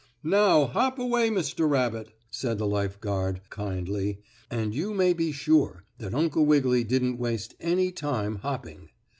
"Now, hop away, Mr. Rabbit," said the life guard, kindly, and you may be sure that Uncle Wiggily didn't waste any time hopping.